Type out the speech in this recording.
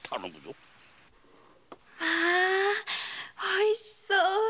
まおいしそう。